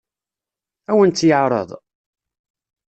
Ad awen-tt-yeɛṛeḍ?